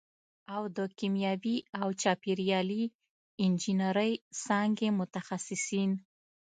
او د کیمیاوي او چاپېریالي انجینرۍ څانګې متخصصین